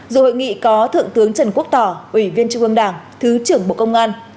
dù hội nghị có thượng tướng trần quốc tỏ ủy viên trung ương đảng thứ trưởng bộ công an